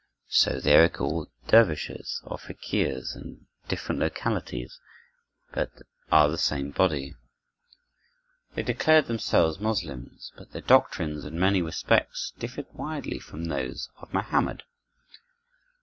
So they are called dervishes or fakirs in different localities, but are the same body. They declared themselves Moslems, but their doctrines, in many respects, differed widely from those of Mohammed.